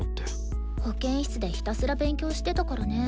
保健室でひたすら勉強してたからね。